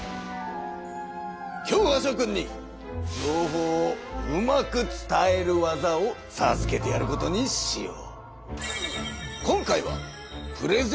今日はしょ君に情報をうまく伝える技をさずけてやることにしよう。